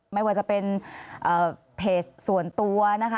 ไม่ว่าจะเป็นเพจส่วนตัวนะคะ